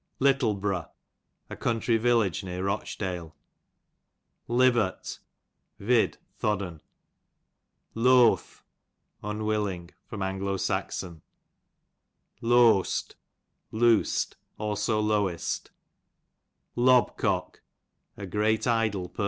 Ljttlebrough, a country village near Rochdale, Li vert, vid. thodden. Loath, unwilling. A,S, Loast, loosed ; also lowest Lol> cock, a great idle person